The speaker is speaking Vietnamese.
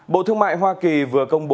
bộ thương mại hoa kỳ vừa công bố